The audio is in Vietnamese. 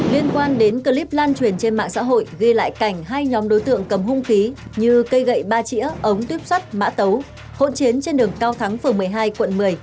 liên quan đến clip lan truyền trên mạng xã hội ghi lại cảnh hai nhóm đối tượng cầm hung khí như cây gậy ba trĩa ống tuyếp sắt mã tấu hỗn chiến trên đường cao thắng phường một mươi hai quận một mươi